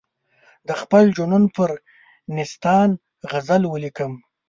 د خپل جنون پر نیستان غزل ولیکم.